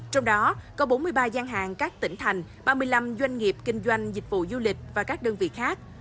trong đó có bốn mươi ba gian hàng các tỉnh thành ba mươi năm doanh nghiệp kinh doanh dịch vụ du lịch và các đơn vị khác